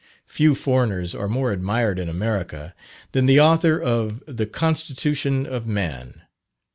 Few foreigners are more admired in America, than the author of "The Constitution of Man."